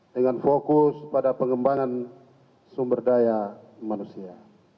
dengan fokus pada pengembangan sumber daya manusia